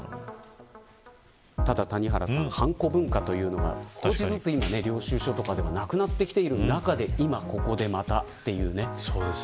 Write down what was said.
ただ谷原さんはんこ文化というのは少しずつ領収書とかでなくなっている中で今、ここでまたという。